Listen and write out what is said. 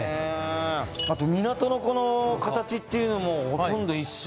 あと港のこの形っていうのもほとんど一緒。